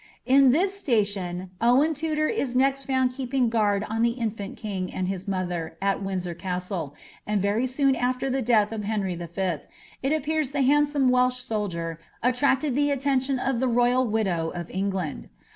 ^^ In (his station Owen Tudor is next found keeping guard on (he infant HB^U and his mother, at Windsor Caslle, and very soon after the death ^^y Henry V. it appears the handsome Welsh soldier attracted the ntten ^Bmi of the royal widow of England.